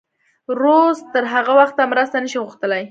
روس تر هغه وخته مرسته نه شي غوښتلی.